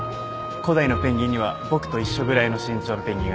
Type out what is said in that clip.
古代のペンギンには僕と一緒ぐらいの身長のペンギンがいたんですよ。